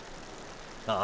ああ！！